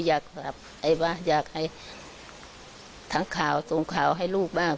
อยากกลับไอ้บ้างอยากให้ทั้งข่าวส่งข่าวให้ลูกบ้าง